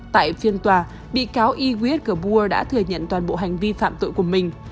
tại phiên tòa bị cáo iwis kabua đã thừa nhận toàn bộ hành vi phạm tội của mình